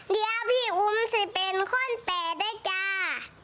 เดี๋ยวพี่อุ้มสิเป็นคนแปดด้วยจ้า